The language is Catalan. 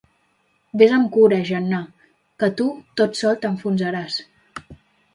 Vés amb cura, Gennà, que tu tot sol t'enfonsaràs.